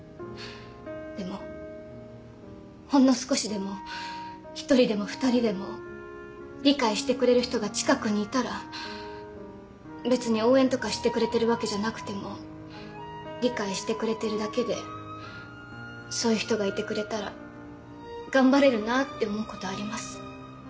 でもほんの少しでも１人でも２人でも理解してくれる人が近くにいたら別に応援とかしてくれてるわけじゃなくても理解してくれてるだけでそういう人がいてくれたら頑張れるなって思うことあります。